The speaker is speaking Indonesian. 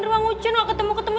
ruang ngucun gak ketemu ketemu